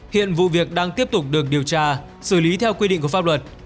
hiện vụ việc đang tiếp tục được điều tra xử lý theo quy định của pháp luật